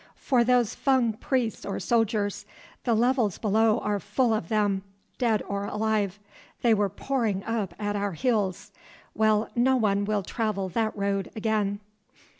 "For those Fung priests or soldiers. The levels below are full of them, dead or alive. They were pouring up at our heels. Well, no one will travel that road again."